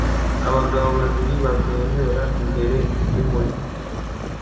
Abagabo babiri bamwenyura imbere yumuriro